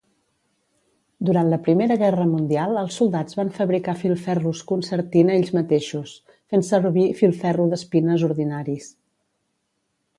Durant la Primera Guerra Mundial els soldats van fabricar filferros concertina ells mateixos, fent servir filferro d'espines ordinaris.